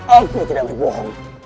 aku tidak berbohong